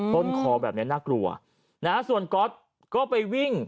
ต้นคอแบบนี้น่ากลัวนะฮะส่วนก๊อตก็ไปวิ่ง